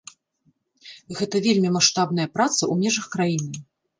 Гэта вельмі маштабная праца ў межах краіны.